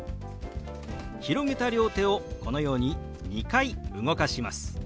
広げた両手をこのように２回動かします。